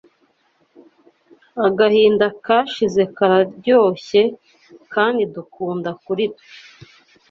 Agahinda kashize kararyoshye kandi dukunda kuri twe